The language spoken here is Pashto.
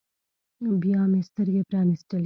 بيا مې سترګې پرانيستلې.